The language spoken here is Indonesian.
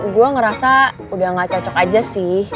gue ngerasa udah gak cocok aja sih